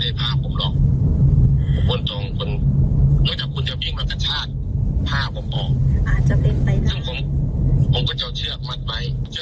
เดี๋ยวกลับบทให้เลยดูดิบทดาสมองอีก๑๐นาทีดูเลย